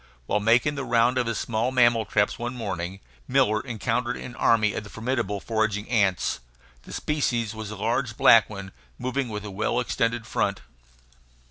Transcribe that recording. While making the round of his small mammal traps one morning, Miller encountered an army of the formidable foraging ants. The species was a large black one, moving with a well extended front.